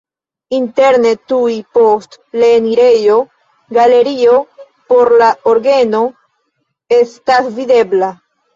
Interne tuj post le enirejo galerio por la orgeno estas videbla.